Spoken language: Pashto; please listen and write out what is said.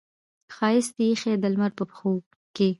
ښایست یې ایښې د لمر په پښو کې